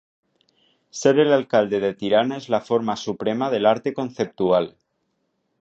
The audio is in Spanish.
Ser el alcalde de Tirana es la forma suprema del arte conceptual.